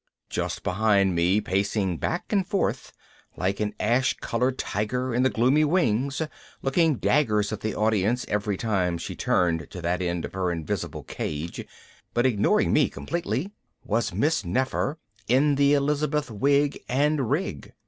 Just behind me, pacing back and forth like an ash colored tiger in the gloomy wings, looking daggers at the audience every time she turned at that end of her invisible cage, but ignoring me completely, was Miss Nefer in the Elizabeth wig and rig.